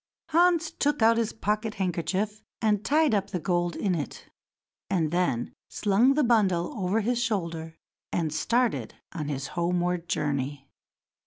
Hans took out his pocket handkerchief and tied up the gold in it, and then slung the bundle over his shoulder, and started on his homeward journey.